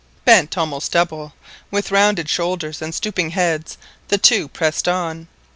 Bent almost double, with rounded shoulders and stooping heads, the two pressed on.